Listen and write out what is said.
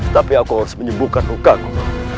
tapi aku harus menyembuhkan lukaku